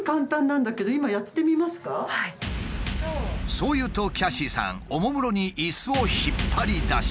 そう言うとキャシーさんおもむろにイスを引っ張り出し。